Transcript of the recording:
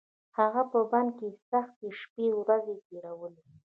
هغه په بند کې سختې شپې ورځې تېرولې.